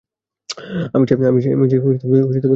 আমি চাই তুমি হোটেলে কল কর।